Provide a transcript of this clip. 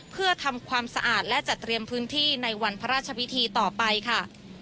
เพื่อทำความสะอาดและจัดเตรียมพื้นที่ในวันพระราชพิธีต่อไปค่ะ